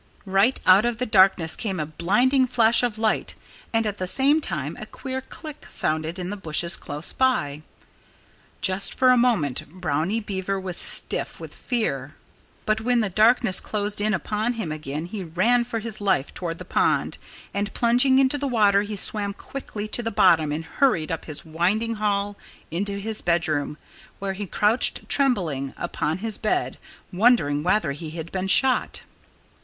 Right out of the darkness came a blinding flash of light. And at the same time a queer click sounded in the bushes close by. Just for a moment Brownie Beaver was stiff with fear. But when the darkness closed in upon him again he ran for his life toward the pond. And plunging into the water he swam quickly to the bottom and hurried up his winding hall into his bedroom, where he crouched trembling upon his bed, wondering whether he had been shot.